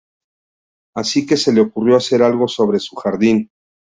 Así que se le ocurrió hacer algo sobre su jardín.